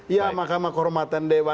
ya mahkamah kehormatan dewa